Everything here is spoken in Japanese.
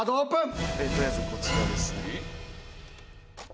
とりあえずこちらですね。